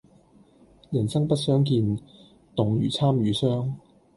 人生不相見，動如參與商。